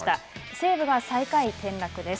西武が最下位転落です。